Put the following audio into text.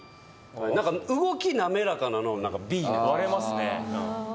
なんか動き滑らかなのはＢな気が割れますね